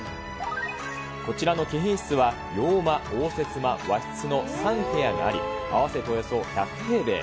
こちらの貴賓室は、洋間、応接間、和室の３部屋があり、合わせておよそ１００平米。